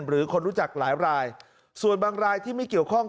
หรือคนรู้จักหลายรายส่วนบางรายที่ไม่เกี่ยวข้อง